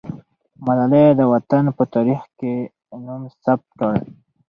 ملالۍ د وطن په تاریخ کې نوم ثبت کړ.